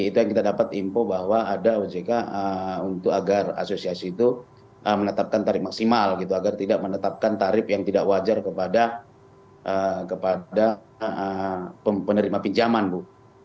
itu yang kita dapat info bahwa ada ojk untuk agar asosiasi itu menetapkan tarif maksimal gitu agar tidak menetapkan tarif yang tidak wajar kepada penerima pinjaman bu